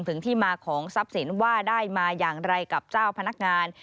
ถึงที่มาของทรัพย์สินว่าได้มาอย่างไรกับเจ้าพนักงาน